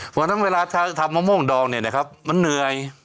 เพราะฉะนั้นเวลาทำมะม่วงดองมันเหนื่อย